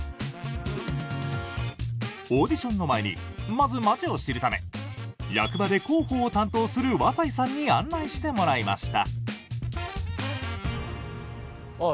オーディションの前にまず町を知るため役場で広報を担当する和才さんに案内してもらいました。